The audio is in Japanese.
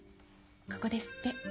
ここで吸って。